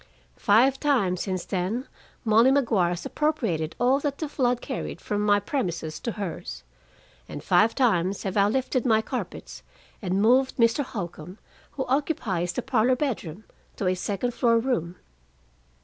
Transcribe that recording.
Five times since then Molly Maguire has appropriated all that the flood carried from my premises to hers, and five times have I lifted my carpets and moved Mr. Holcombe, who occupies the parlor bedroom, to a second floor room.